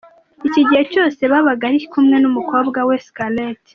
Iki gihe cyose yabaga ari kumwe n'umukobwa we Scarlett.